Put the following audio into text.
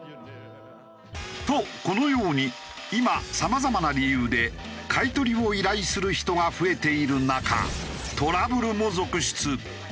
とこのように今さまざまな理由で買い取りを依頼する人が増えている中トラブルも続出。